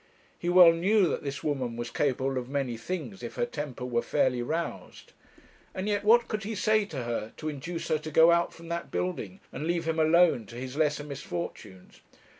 He well knew that this woman was capable of many things if her temper were fairly roused. And yet what could he say to her to induce her to go out from that building, and leave him alone to his lesser misfortunes?